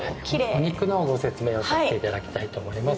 お肉のご説明をさせていただきたいと思います。